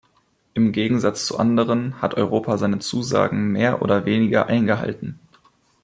Im Gegensatz zu anderen hat Europa seine Zusagen mehr oder weniger eingehalten.